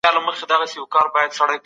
علمي مرحله تر ديني مرحلې وروستۍ ده.